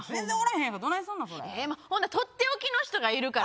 とっておきの人がいるから。